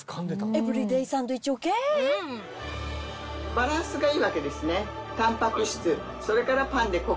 バランスがいいわけですね